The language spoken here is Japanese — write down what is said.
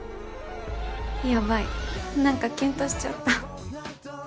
やばいなんかキュンとしちゃった。